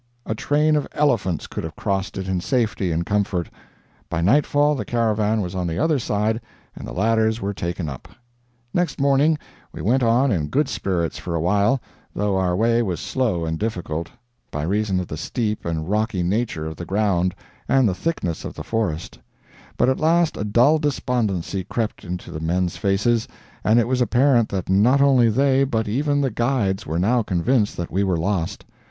A train of elephants could have crossed it in safety and comfort. By nightfall the caravan was on the other side and the ladders were taken up. Next morning we went on in good spirits for a while, though our way was slow and difficult, by reason of the steep and rocky nature of the ground and the thickness of the forest; but at last a dull despondency crept into the men's faces and it was apparent that not only they, but even the guides, were now convinced that we were lost.